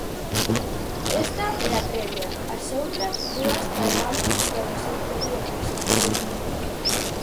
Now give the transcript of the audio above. "Esta é a previa, as outras dúas caerán polo seu propio peso", subliña.